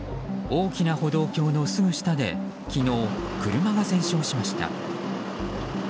大きな歩道橋のすぐ下で昨日、車が全焼しました。